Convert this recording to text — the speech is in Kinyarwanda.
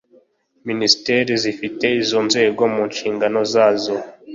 Minisiteri zifite izo nzego mu nshingano zazo.